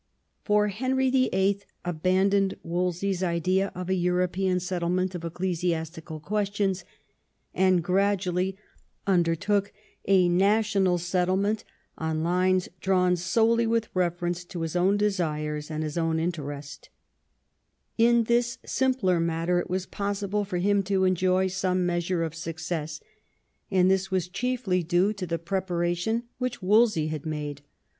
For Henry VIIL abandoned Wolsey's idea of a European settlement of ecclesiastical questions, and gradually undertook a national settlement on lines drawn solely with reference to his own desires and his own interest In this simpler matter it was possible for him to enjoy some measure of success, and this was chiefly due to the // 220 THOMAS WOLSEY chap. preparation which Wolsey had made.